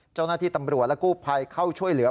เจ้าหน้าที่ตำรวจและกู้ภัยเข้าช่วยเหลือ